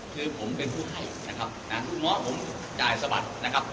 คือผมเป็นผู้ให้นะครับนะคุณหมอผมจ่ายสะบัดนะครับ